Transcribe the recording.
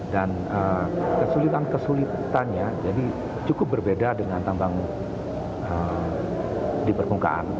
dan kesulitan kesulitannya cukup berbeda dengan tambang di perpungkaan